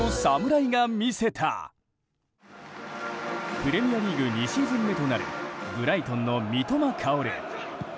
プレミアリーグ２シーズン目となるブライトンの三笘薫。